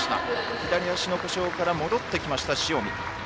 左足の故障から戻ってきました塩見です。